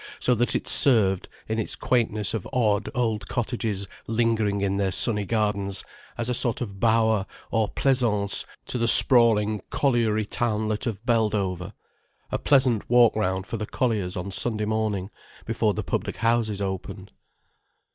So that it served, in its quaintness of odd old cottages lingering in their sunny gardens, as a sort of bower or pleasaunce to the sprawling colliery townlet of Beldover, a pleasant walk round for the colliers on Sunday morning, before the public houses opened.